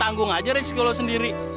lo tanggung aja resiko lo sendiri